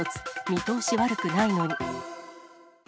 見通し悪くないのに。